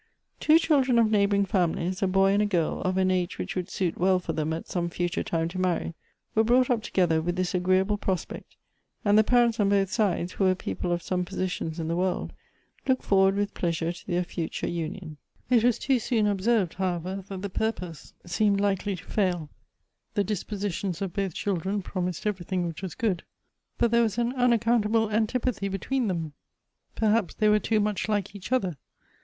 "Two children of neighboring famihes, a boy and a girl, of an age which would suit well for them at some future time to marry, were brought up together with this agreeable prospect, and the parents on both sides, who were people of some position in the world, looked for ward with pleasure to their future union. " It was too soon observed, however, that the purpose seemed likely to fail ; the dispositions of both children promised everything which was good, but there was an unaccountable antipathy between them. Perhaps they were too much like each other.